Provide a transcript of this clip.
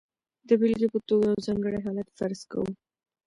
د بېلګې په توګه یو ځانګړی حالت فرض کوو.